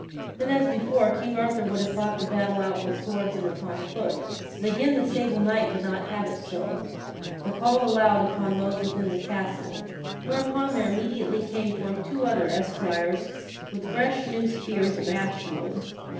Then, as before, King Arthur would have fought the battle out with swords and upon foot, but again the Sable Knight would not have it so, but called aloud upon those within the castle, whereupon there The knights r . r break lances a immediately came forth two other esquires with fresh, new second time. spears of ash wood.